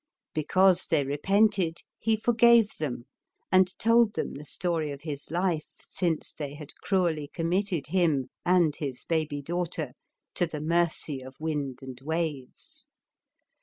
Because they re pented, he forgave them and told them the story of his life since they had cruelly committed him and his baby daughter to the mercy of wind and waves.